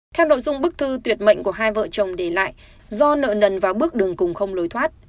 theo nội dung bức thư tuyệt mệnh của hai vợ chồng để lại do nợ nần vào bước đường cùng không lối thoát